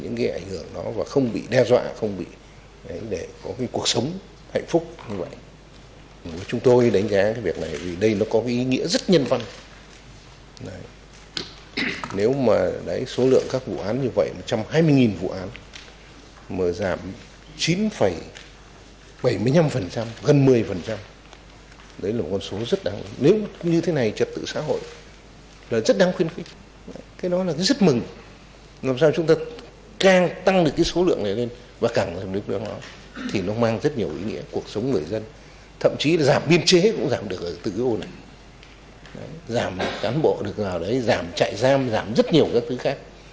giảm cán bộ được vào đấy giảm chạy giam giảm rất nhiều các thứ khác